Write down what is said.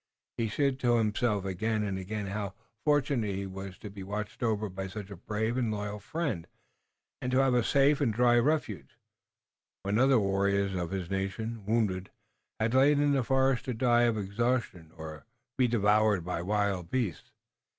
He said to himself again and again how fortunate he was to be watched over by such a brave and loyal friend, and to have a safe and dry refuge, when other warriors of his nation, wounded, had lain in the forest to die of exhaustion or to be devoured by wild beasts.